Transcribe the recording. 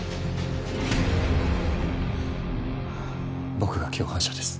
僕が共犯者です。